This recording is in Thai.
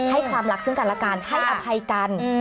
ให้ความรักซึ่งกันและกันให้อภัยกัน